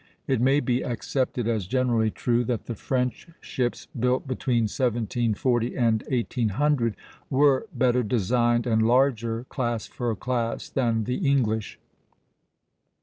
It may be accepted as generally true that the French ships built between 1740 and 1800 were better designed and larger, class for class, than the English.